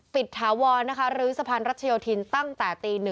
ถาวรนะคะหรือสะพานรัชโยธินตั้งแต่ตี๑